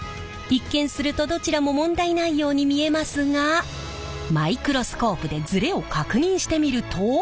一見するとどちらも問題ないように見えますがマイクロスコープでズレを確認してみると。